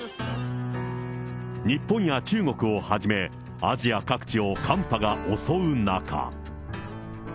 日本や中国をはじめ、アジア各地を寒波が襲う中。